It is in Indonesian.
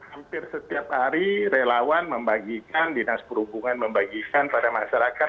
hampir setiap hari relawan membagikan dinas perhubungan membagikan pada masyarakat